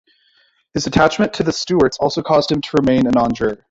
His attachment to the Stuarts also caused him to remain a non-juror.